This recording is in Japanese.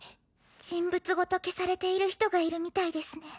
人物ごと消されている人がいるみたいですね。